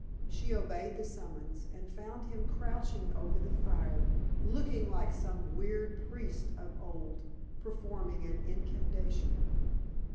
She obeyed the summons, and found him crouching over the fire, looking like some weird priest of old performing an incantation.